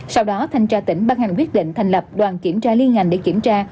sau đó thanh tra tỉnh ban hành quyết định thành lập đoàn kiểm tra liên ngành để kiểm tra